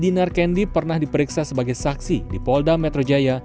dinar kendi pernah diperiksa sebagai saksi di polda metro jaya